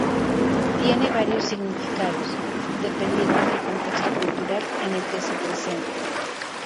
Tiene varios significados, dependiendo del contexto cultural en el que se presente.